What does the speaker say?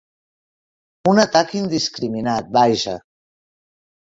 Un atac indiscriminat, vaja.